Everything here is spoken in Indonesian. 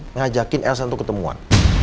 ngajakin elsa untuk ketemuan